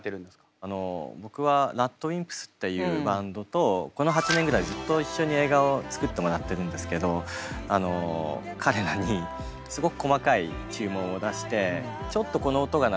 あの僕はＲＡＤＷＩＭＰＳっていうバンドとこの８年ぐらいずっと一緒に映画を作ってもらってるんですけど彼らにすごく細かい注文を出してちょっとこの音が鳴る